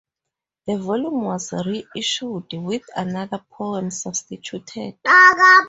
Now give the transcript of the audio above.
The volume was reissued with another poem substituted.